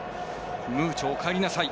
ムーチョおかえりなさい！